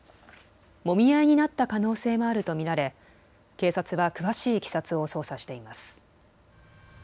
もみ合いになった可能性もあると見られ警察は詳しいいきさつを捜査しています。